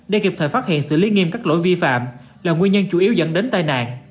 để kịp thời phát hiện xử lý nghiêm các lỗi vi phạm là nguyên nhân chủ yếu dẫn đến tai nạn